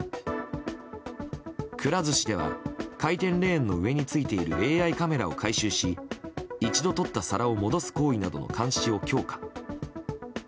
くら寿司では回転レーンの上についているＡＩカメラを回収し一度とった皿を戻す行為などの監視を強化。